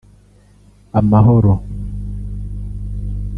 Amahoro